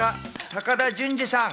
高田純次さん。